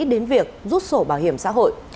đến việc rút sổ bảo hiểm xã hội